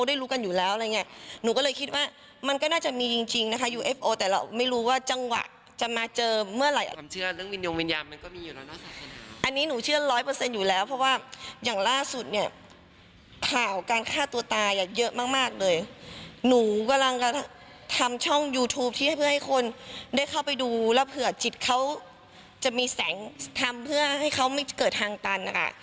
ได้เข้าไปดูแล้วเผื่อจิตเค้าจะมีแสงทำเพื่อให้เค้าไม่เกิดทางตันนะคะ